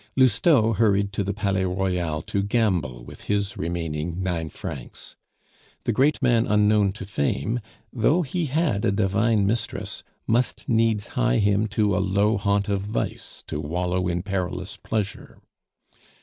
Lousteau hurried to the Palais Royal to gamble with his remaining nine francs. The great man unknown to fame, though he had a divine mistress, must needs hie him to a low haunt of vice to wallow in perilous pleasure.